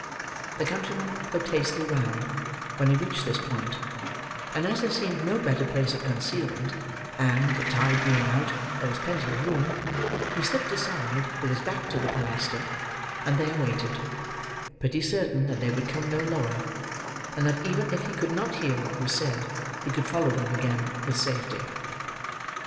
The countryman looked hastily round, when he reached this point; and as there seemed no better place of concealment, and, the tide being out, there was plenty of room, he slipped aside, with his back to the pilaster, and there waited: pretty certain that they would come no lower, and that even if he could not hear what was said, he could follow them again, with safety.